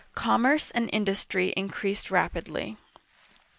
Commerce and industry in creased rapidly.